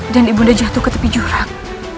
dan ibu nda jatuh ke tepi jurang